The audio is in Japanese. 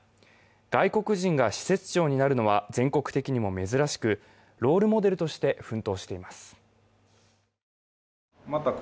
外国人が施設長になるのは全国的にも珍しく、ロールモデルとして奮闘しています。